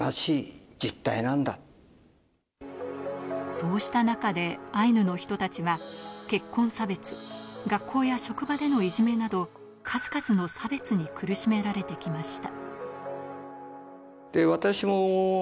そうした中でアイヌの人たちは結婚差別、学校や職場でのいじめなど数々の差別に苦しめられてきました。